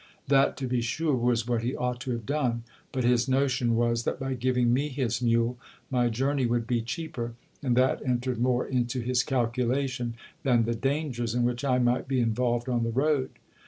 That, to be sure, was what he ought to have done ; but his notion was, that by giving me his mule, my journey would be cheaper ; and that entered more into his calculation than the dangers in which I might be involved on the road.